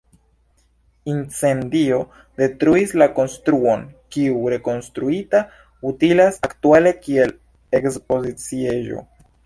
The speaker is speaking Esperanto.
Incendio detruis la konstruon, kiu, rekonstruita, utilas aktuale kiel ekspoziciejo.